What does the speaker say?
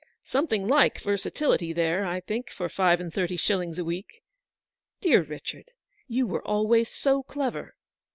Something like versatility there, I think, for five and thirty shillings a week." " Dear Richard, you were always so clever."